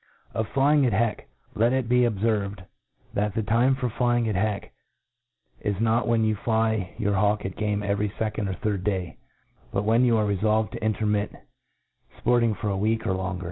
Of flying at Heckp LET it be obferved, that the time for flying at heck is not when you fly your hawk at game every fecond or third day, but when you are re folved to intermit fporting for a week, or longer.